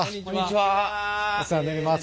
お世話になります